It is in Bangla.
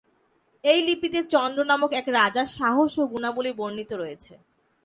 এই লিপিতে চন্দ্র নামক এক রাজার সাহস ও গুণাবলী বর্নিত রয়েছে।